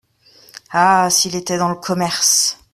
Ah ! s’il était dans le commerce !…